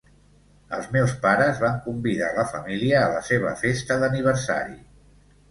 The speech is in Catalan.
Els meus pares van convidar la família a la seva festa d'aniversari.